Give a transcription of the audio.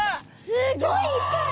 すごいいっぱい。